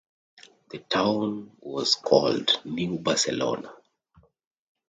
The town was called "New Barcelona".